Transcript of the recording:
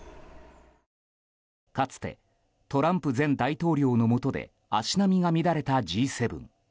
かつてトランプ前大統領のもとで足並みが乱れたＧ７。